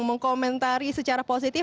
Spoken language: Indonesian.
mengkomentari secara positif